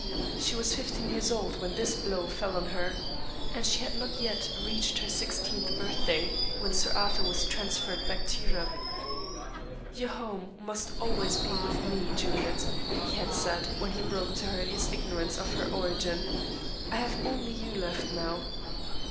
She was fifteen years old when this blow fell on her; and she had not yet reached her sixteenth birthday when Sir Arthur was transferred back to Europe. "Your home must always be with me, Juliet," he had said, when he broke to her his ignorance of her origin. "I have only you left now."